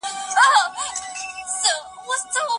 موږ د خپل تاريخ په اړه مطالعه کوو.